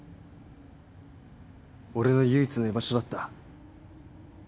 俺の唯一の居場所だった。